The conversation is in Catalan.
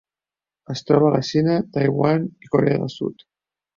Es troba a la Xina, Taiwan i Corea del Sud.